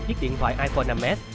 chiếc điện thoại iphone năm s